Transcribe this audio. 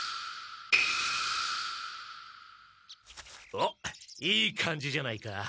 おっいい感じじゃないか。